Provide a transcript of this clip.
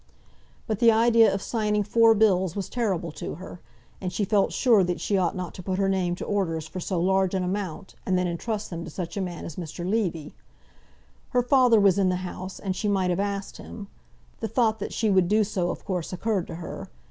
But the idea of signing four bills was terrible to her, and she felt sure that she ought not to put her name to orders for so large an amount and then intrust them to such a man as Mr. Levy. Her father was in the house, and she might have asked him. The thought that she would do so of course occurred to her.